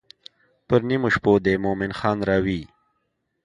پر نیمو شپو دې مومن خان راوی.